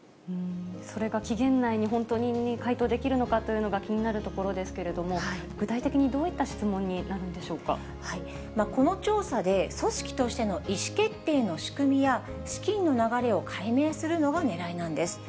それが期限内に本当に回答できるのかというのが気になるところですけれども、具体的にどういこの調査で、組織としての意思決定の仕組みや、資金の流れを解明するのがねらいなんです。